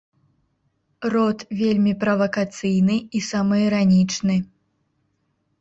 Рот вельмі правакацыйны і самаіранічны.